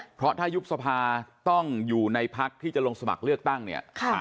เพราะถ้ายุบสภาต้องอยู่ในพักที่จะลงสมัครเลือกตั้งเนี่ย